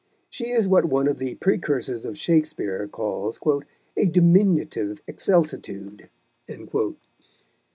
She is what one of the precursors of Shakespeare calls "a diminutive excelsitude."